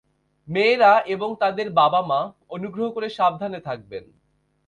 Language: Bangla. মেয়েরা এবং তাদের বাবা-মা, অনুগ্রহ করে সাবধানে থাকবেন।